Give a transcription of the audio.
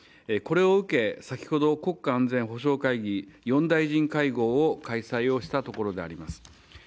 これを受け、先ほど国家安全保障会議４大臣会合を開催したところであります。